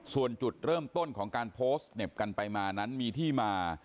ส่วนจุดเริ่มต้นของการโพสต์เหน็บกันไปมานั้นมีที่มา